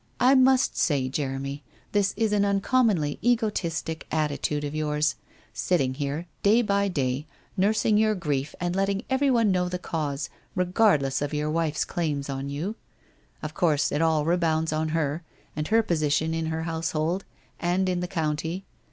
' I must say, Jeremy, this is an uncommonly egotistic attitude of yours, sitting here, day by day, nursing your grief and letting everyone know the cause, regardless of your wife's claims on you. Of course, it all rebounds on her, and her position in her household and in the county.